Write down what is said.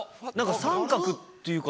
三角っていうか。